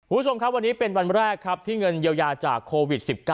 คุณผู้ชมครับวันนี้เป็นวันแรกครับที่เงินเยียวยาจากโควิด๑๙